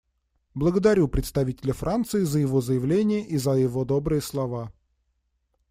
Благодарю представителя Франции за его заявление и за его добрые слова.